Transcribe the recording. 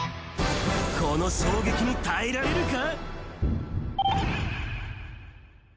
この衝撃に耐えられるか？